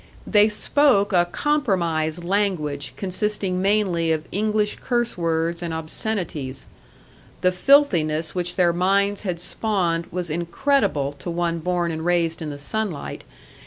They spoke a compromise language, consisting mainly of English curse words and obscenities; the filthiness which their minds had spawned was incredible to one born and raised in the sunlight.